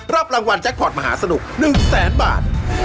รับรางวัลแจ็คพอร์ตมหาสนุก๑แสนบาท